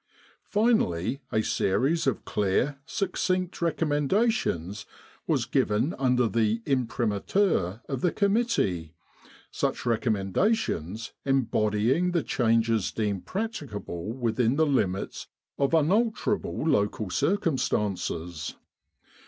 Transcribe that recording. Finally a series of clear, succinct recommendations was given under the imprimatur of the committee, such recom mendations embodying the changes deemed practic able within the limits of unalterable local circum stances.